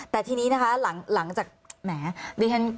แต่ทีนี้นะคะหลังจาก